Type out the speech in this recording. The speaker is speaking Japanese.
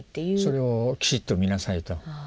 それをきちっと見なさいと。